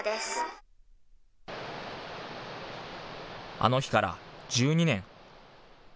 あの日から１２年。